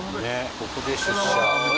ここで出社。